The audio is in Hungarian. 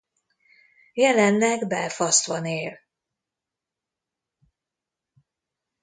Jelenleg Belfastban él.